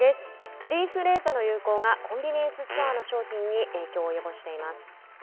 鳥インフルエンザの流行がコンビニエンスストアの商品に影響を及ぼしています。